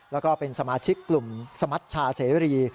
แล้วก็เป็นสมาชิกกลุ่มสมัชชาเสรี